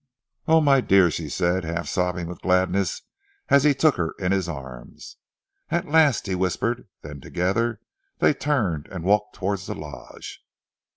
"Oh, my dear!" she said, half sobbing with gladness as he took her in his arms. "At last," he whispered, then together they turned and walked towards the lodge.